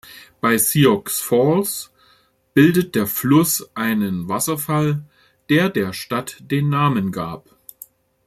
Bei Sioux Falls bildet der Fluss einen Wasserfall, der der Stadt den Namen gab.